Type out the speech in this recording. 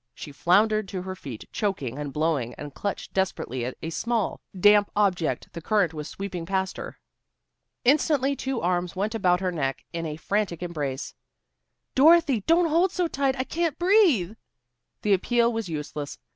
She floundered to her feet choking and blowing, and clutched desperately at a small, damp object the current was sweeping past her. Instantly two arms went about her neck in a frantic embrace. "Dorothy, don't hold so tight. I can't breathe." The appeal was useless.